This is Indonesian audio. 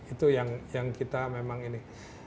itu yang kita memang ini